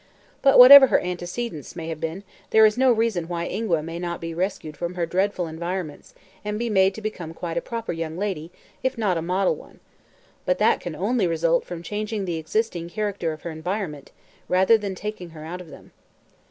"But, whatever her antecedents may have been, there is no reason why Ingua may not be rescued from her dreadful environments and be made to become a quite proper young lady, if not a model one. But that can only result from changing the existing character of her environment, rather than taking her out of them."